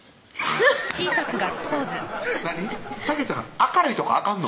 明るいとこあかんの？